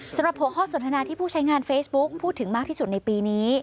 สำหรับหัวข้อสนทนาที่ผู้ใช้งานเฟซบุ๊กพูดถึงมากที่สุดในปีนี้